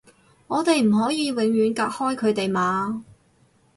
我哋唔可以永遠隔開佢哋嘛